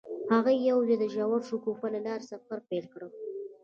هغوی یوځای د ژور شګوفه له لارې سفر پیل کړ.